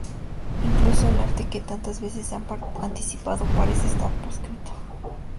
Incluso el arte que tantas veces se ha anticipado parece estar proscrito.